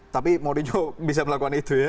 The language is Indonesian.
tapi mourinho bisa melakukan itu ya